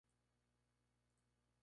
Red de Utrecht